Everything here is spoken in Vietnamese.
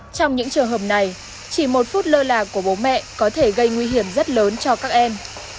trong những trường hợp này chỉ một phút lơ là của bố mẹ có thể gây nguy hiểm rất lớn cho các em